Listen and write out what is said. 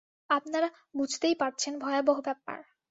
আপনারা বুঝতেই পারছেন, ভয়াবহ ব্যাপার।